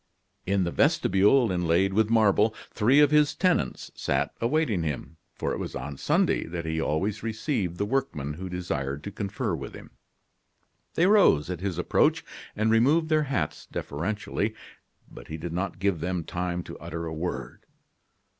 In the vestibule, inlaid with marble, three of his tenants sat awaiting him, for it was on Sunday that he always received the workmen who desired to confer with him. They rose at his approach, and removed their hats deferentially. But he did not give them time to utter a word.